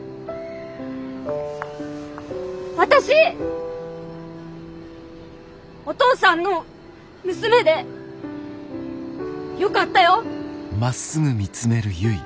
私お父さんの娘でよかったよ！